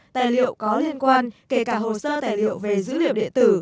tài liệu có liên quan kể cả hồ sơ tài liệu về dữ liệu điện tử